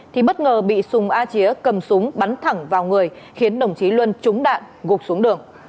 thì bất ngờ bị sùng a chía cầm súng bắn thẳng vào người khiến đồng chí luân trúng đạn gục xuống đường